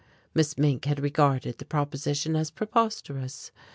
Miss Mink had regarded the proposition as preposterous.